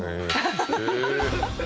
ハハハハ！